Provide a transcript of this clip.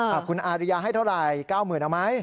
คุณอาริยาให้เท่าไหร่๙๐๐๐เอาไหม